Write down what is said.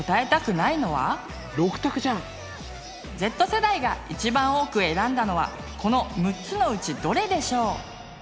Ｚ世代が一番多く選んだのはこの６つのうちどれでしょう？